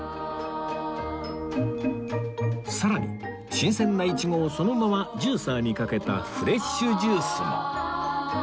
更に新鮮なイチゴをそのままジューサーにかけたフレッシュジュースも